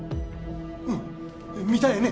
うん見たんやね？